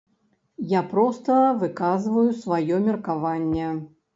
Я проста выказваю сваё меркаванне.